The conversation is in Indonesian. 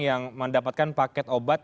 yang mendapatkan paket obat